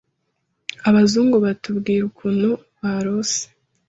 abazungu batubwira ukuntu barose